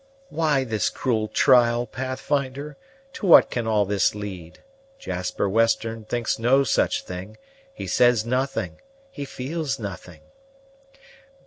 "Why this cruel trial, Pathfinder? To what can all this lead? Jasper Western thinks no such thing: he says nothing, he feels nothing."